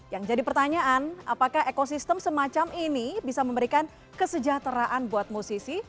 yang jadi pertanyaan apakah ekosistem semacam ini bisa memberikan kesejahteraan buat musisi